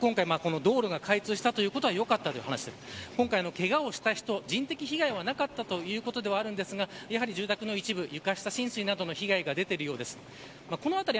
とにかく今回、道路が開通したということがよかったという話今回けがをした人、人的被害はなかったということですが住宅の一部床下浸水などの被害が出ているようです。